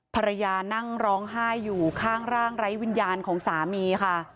ภรรยานั่งร้องไห้อยู่ข้างร่างไร้วิญญาณของสามีค่ะ